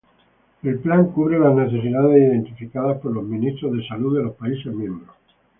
El plan cubre las necesidades identificadas por los Ministros de Salud de los países-miembros.